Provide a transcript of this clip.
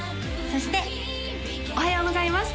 そしておはようございます